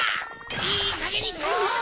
いいかげんにしろ！